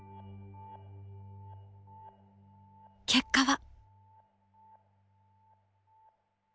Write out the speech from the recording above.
結果は？